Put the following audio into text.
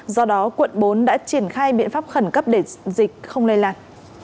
do đó quận bốn đã triển khai biện pháp khẩn cấp để dịch không lây lan